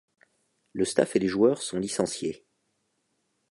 Le staff et les joueurs sont licenciés.